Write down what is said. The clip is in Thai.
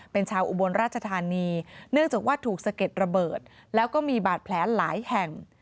เป็นชาวอุบลราชธานีเนื่องจากว่าถูกสะเก็ดระเบิดแล้วก็มีบาดแผลหลายแห่ง